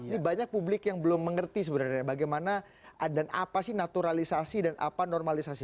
ini banyak publik yang belum mengerti sebenarnya bagaimana dan apa sih naturalisasi dan apa normalisasi